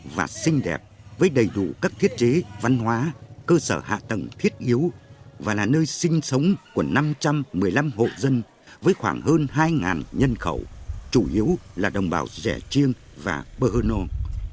và xinh đẹp với đầy đủ các thiết chế văn hóa cơ sở hạ tầng thiết yếu và là nơi sinh sống của năm trăm một mươi năm hộ dân với khoảng hơn hai nhân khẩu chủ yếu là đồng bào rẻ chiêng và burgerno